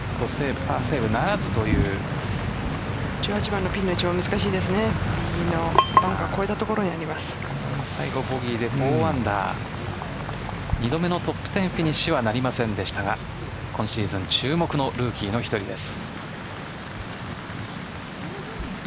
１８番のピンの位置最後ボギーで４アンダー２度目のトップ１０フィニッシュはなりませんでしたが今シーズン注目のルーキーの１人です。